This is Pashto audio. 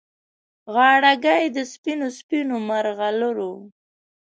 غاړګۍ د سپینو، سپینو مرغلرو